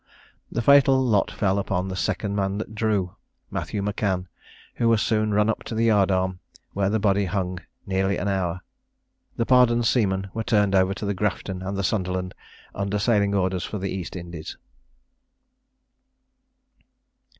The fatal lot fell upon the second man that drew, Matthew M'Can, who was soon run up to the yard arm, where the body hung nearly an hour. The pardoned seamen were turned over to the Grafton and the Sunderland, under sailing orders for the East Indies.